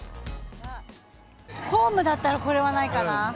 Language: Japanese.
公務だったら、これはないかな。